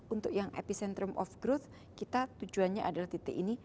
untuk yang epicentrum of growth kita tujuannya adalah titik ini